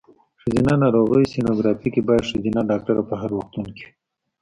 ښځېنه ناروغیو سینوګرافي کې باید ښځېنه ډاکټره په هر روغتون کې وي.